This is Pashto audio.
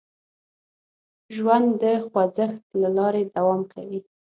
ژوند د خوځښت له لارې دوام کوي.